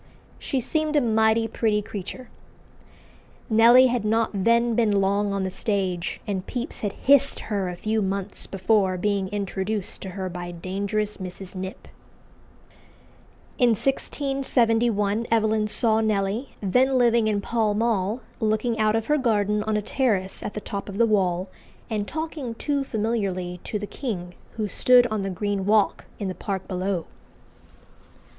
She seemed a mighty pretty creature." Nelly had not then been long on the stage, and Pepys had hissed her a few months before being introduced to her by dangerous Mrs. Knipp. In 1671 Evelyn saw Nelly, then living in Pall Mall, "looking out of her garden on a terrace at the top of the wall," and talking too familiarly to the king, who stood on the green walk in the park below.